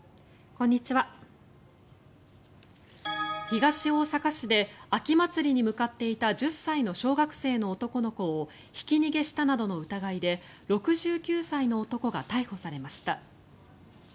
東大阪市で秋祭りに向かっていた１０歳の小学生の男の子をひき逃げしたなどの疑いで６９歳の男が逮捕されました。